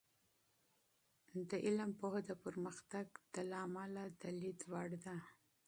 د علم پوهه د پرمختګ د لامله د لید وړ ده.